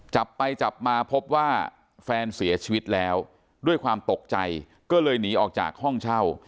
จับไปจับมาพบว่าแฟนเสียชีวิตแล้วด้วยความตกใจก็เลยหนีออกจากห้องเช่า